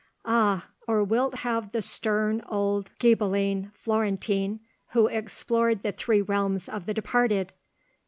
"Ah! Or wilt have the stern old Ghibelline Florentine, who explored the three realms of the departed?